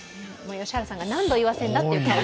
良原さんが、何度言わせるんだっていう感じ。